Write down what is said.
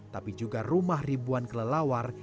tapi juga rumah ribuan kelelawar